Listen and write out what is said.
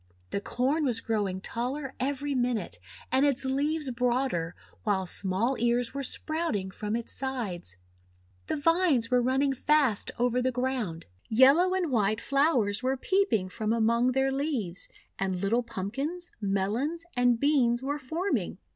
The Corn was growing taller every minute, and its leaves broader, while small ears were sprouting from its sides. The vines were running fast over the ground. Yellow and white flowers were peeping from among their leaves, and little Pumpkins, Melons, and Beans were forming.